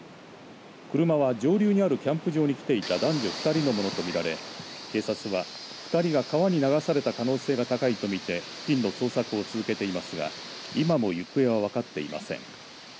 車は上流にあるキャンプ場に来ていた男女２人のものと見られ警察は２人が川に流された可能性が高いと見て付近の捜索を続けていますが今も行方は分かっていません。